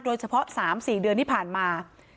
โดยเฉพาะ๓๔เดือนที่ผ่านมา